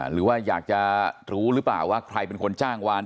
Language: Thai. หรือว่าอยากจะรู้หรือเปล่าว่าใครเป็นคนจ้างวาน